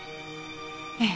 ええ。